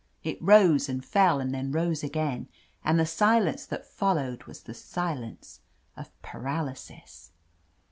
It rose and fell and then rose again, and the silence that followed was the silence of paraly sis.